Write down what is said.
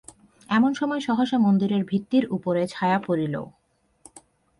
এমন সময় সহসা মন্দিরের ভিত্তির উপরে ছায়া পড়িল।